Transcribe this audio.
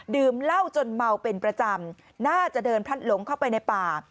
ดื่มเหล้าจนเมาเป็นประจำน่าจะเดินพลัดหลงเข้าไปในป่า